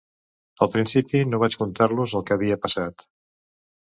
Al principi, no vaig contar-los el que havia passat.